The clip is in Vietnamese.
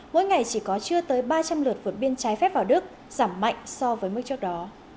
mỗi ngày chỉ có chưa tới ba trăm linh lượt vượt biên trái phép vào đức giảm mạnh so với mức trước đó